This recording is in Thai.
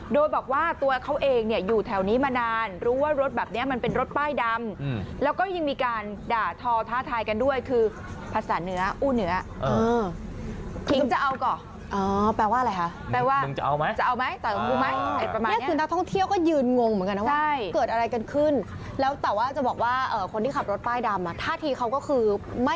โดยบอกว่าตัวเขาเองเนี่ยอยู่แถวนี้มานานรู้ว่ารถแบบเนี่ยมันเป็นรถป้ายดำแล้วก็ยังมีการด่าทอท่าทายกันด้วยคือภาษาเหนืออู้เหนือ